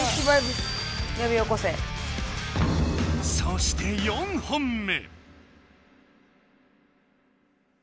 そして４本目。